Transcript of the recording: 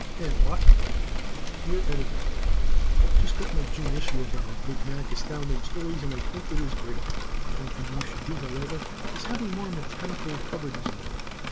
"Eh, What?" Dear Editor: Just got my June issue of our good mag, Astounding Stories, and I think that it is great. One thing you should do, however, is have a more mechanical cover design.